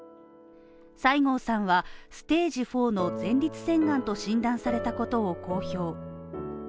西郷さんはステージ４の前立腺がんと診断されたことを公表。